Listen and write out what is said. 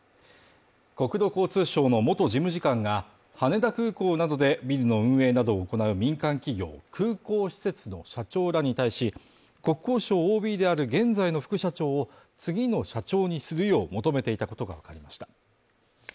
国土交通省の元事務次官が、羽田空港などでビルの運営などを行う民間企業、空港施設の社長らに対し、国交省ＯＢである現在の副社長を次の社長にするよう求めていたことがわかりました。